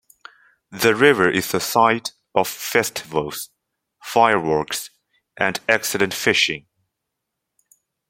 The river is the site of festivals, fireworks, and excellent fishing.